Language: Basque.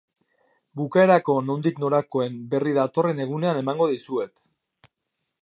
Bukaerako nondik norakoen berri datorren egunean emango dizuet.